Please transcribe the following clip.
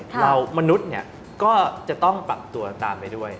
มนุษย์ก็จะต้องปรับตัวตามไปด้วย